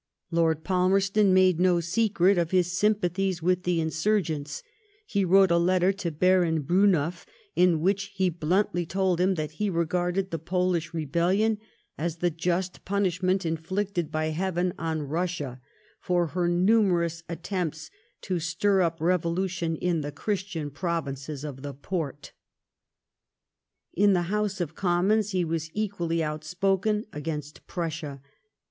Lord Palmerston made no secret of his sympathies with the insurgents. He wrote a letter to Baron Briinnow in which he bluntly told him that he regarded the Polish rel^ellion as the just punishment inflicted by Heayen on Bussia for her numerous attempts to stir up reyolution in the Christian Provinces of the Porte. In the House of Commons he was equally outspoken against Prussia.